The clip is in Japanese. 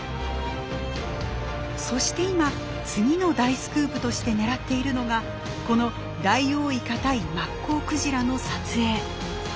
そして今次の大スクープとして狙っているのがこのダイオウイカ対マッコウクジラの撮影。